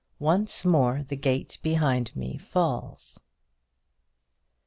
"ONCE MORE THE GATE BEHIND ME FALLS."